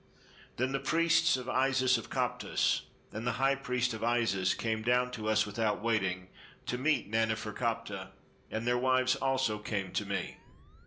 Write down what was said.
Then the priests of Isis of Koptos, and the high priest of Isis, came down to us without waiting, to meet Nane ferkaptah, and their wives also came to me.